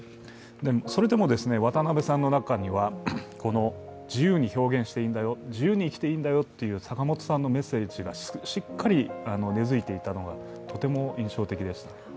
それでも渡邉さんの中には、自由に表現していいんだよ、自由に生きていいんだよという坂本さんのメッセージがしっかり根づいていたのがとても印象的でした。